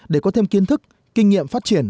để có thêm kiến thức kinh nghiệm phát triển